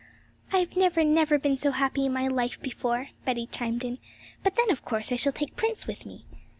'I've never, never been so happy in my life before,' Betty chimed in; 'but then of course I shall take Prince with me.